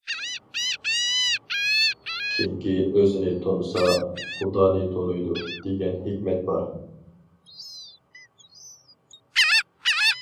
«كىمكى ئۆزىنى تونۇسا، خۇدانى تونۇيدۇ» دېگەن ھېكمەت بار.